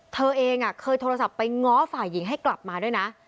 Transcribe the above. เธอเองเคยโทรศัพท์ไปง้อฝ่ายหญิงให้กลับมาด้วยนะ